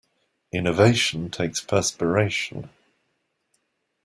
Innovation takes perspiration.